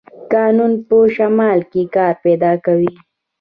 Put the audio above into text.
کانونه په شمال کې کار پیدا کوي.